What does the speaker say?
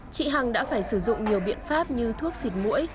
chị hằng đã phải sử dụng nhiều biện pháp như thuốc xịt mũi